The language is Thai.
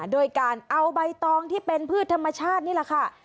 โดยการเอาใบตองที่เป็นพืชธรรมชาตินี่แหละค่ะ